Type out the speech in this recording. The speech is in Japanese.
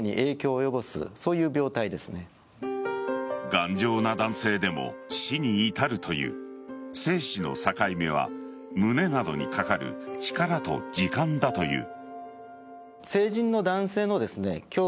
頑丈な男性でも死に至るという生死の境目は胸など体にかかる力と時間だという。